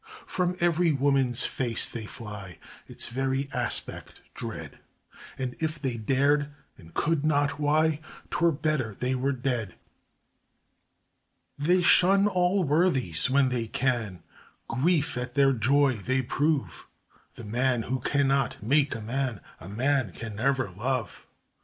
From every woman's face they fly, Its very aspect dread, And if they dared and could not why, 'Twere better they were dead. They shun all worthies when they can, Grief at their joy they prove The man who cannot make a man, A man can never love!